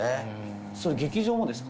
それ劇場もですか？